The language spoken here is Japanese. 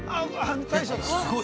◆すごい。